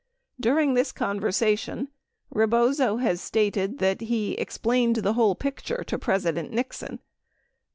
During this conversation Rebozo has stated that he "explained the whole picture" to President Nixon.